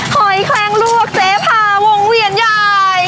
หอยแคลงลูกเจ๊พาวงเวียนใหญ่